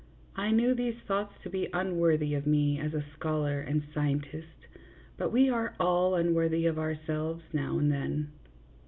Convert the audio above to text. I knew these thoughts to be unworthy of me as a scholar and scientist, but we are all unworthy of ourselves now and then.